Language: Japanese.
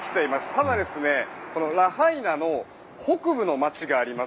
ただ、ラハイナの北部の街があります。